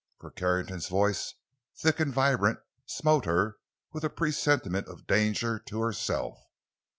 For Carrington's voice, thick and vibrant, smote her with a presentiment of danger to herself.